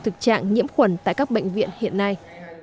thực trạng nhiễm khuẩn tại các bệnh viện hiện nay